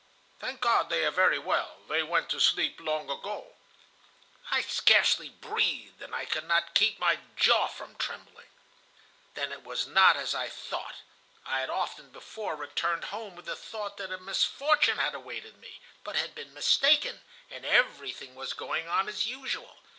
"'Thank God, they are very well. They went to sleep long ago.' "I scarcely breathed, and I could not keep my jaw from trembling. "Then it was not as I thought. I had often before returned home with the thought that a misfortune had awaited me, but had been mistaken, and everything was going on as usual.